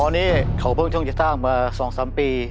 อ๋อนี่เขาเพิ่งต้องจะตั้งมาสองสามปี